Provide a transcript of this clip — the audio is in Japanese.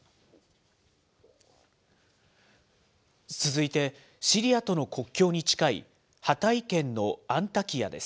続いてシリアとの国境に近い、ハタイ県のアンタキヤです。